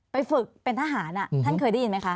ฝึกเป็นทหารท่านเคยได้ยินไหมคะ